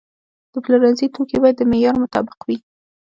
د پلورنځي توکي باید د معیار مطابق وي.